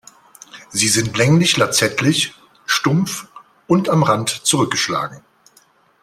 Sie sind länglich-lanzettlich, stumpf und am Rand zurückgeschlagen.